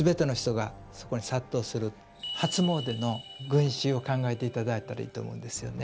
初詣の群衆を考えていただいたらいいと思うんですよね。